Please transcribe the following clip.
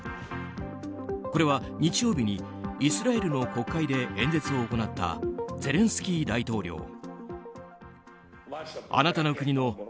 これは日曜日にイスラエルの国会で演説を行ったゼレンスキー大統領。